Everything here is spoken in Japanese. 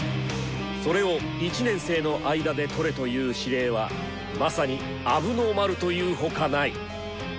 それを１年生の間でとれ！という指令はまさに「アブノーマル」というほかない。